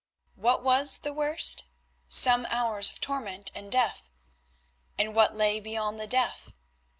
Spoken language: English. What was the worst? Some hours of torment and death. And what lay beyond the death?